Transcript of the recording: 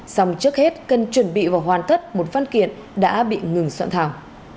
xong trước hết cần chuẩn bị và hoàn thất một phát kiện đã bị ngừng soạn thảo